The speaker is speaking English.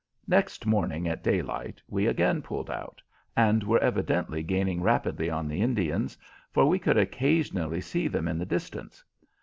Next morning at daylight we again pulled out, and were evidently gaining rapidly on the Indians, for we could occasionally see them in the distance.